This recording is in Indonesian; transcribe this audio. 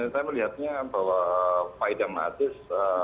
saya melihatnya bahwa pak idam matis